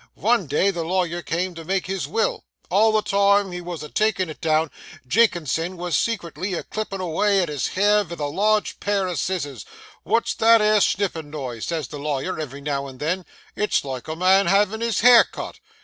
Vun day the lawyer come to make his vill; all the time he wos a takin' it down, Jinkinson was secretly a clippin' avay at his hair vith a large pair of scissors. "Wot's that 'ere snippin' noise?" says the lawyer every now and then; "it's like a man havin' his hair cut."